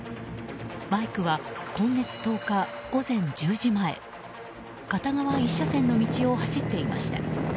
バイクは今月１０日午前１０時前片側１車線の道を走っていました。